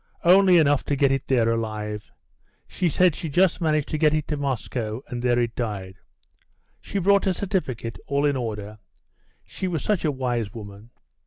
Only enough to get it there alive. She said she just managed to get it to Moscow, and there it died. She brought a certificate all in order. She was such a wise woman."